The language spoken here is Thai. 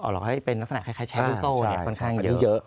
หลอกให้เป็นลักษณะคล้ายแชร์ลูกโซ่ค่อนข้างเยอะ